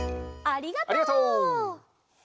ありがとう！